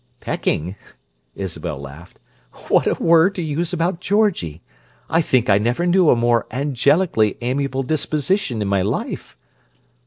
"Pecking?" Isabel laughed. "What a word to use about Georgie! I think I never knew a more angelically amiable disposition in my life!"